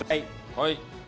はい。